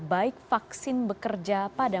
baik vaksin bekerja pada